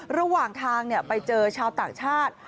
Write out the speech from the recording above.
ระหว่างทางไปเจอชาวต่างชาติ